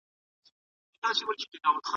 ولي د خاوند خبري منل پر ميرمن واجب دي؟